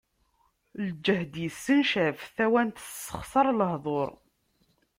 Lǧehd issencaf, tawant tessexsaṛ lehduṛ.